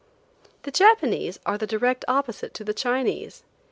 The Japanese are the direct opposite to the Chinese.